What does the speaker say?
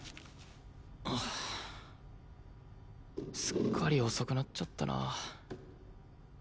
すっかり遅くなっちゃったな。